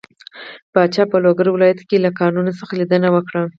پاچا په لوګر ولايت له کانونو څخه ليدنه وکړه.